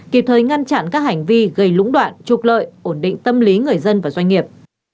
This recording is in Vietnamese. kịp thời ngăn chặn các hành vi gây lũng đoạn trục lợi ổn định tâm lý người dân và doanh nghiệp